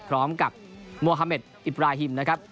พร้อมกับมวฮาเมฆอิปราฮิม